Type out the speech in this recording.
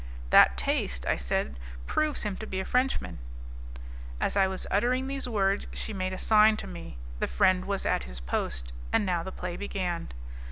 "That taste," I said, "proves him to be a Frenchman." As I was uttering these words, she made a sign to me; the friend was at his post, and now the play began.